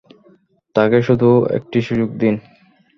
তাকে শুধু একটি সুযোগ দিন!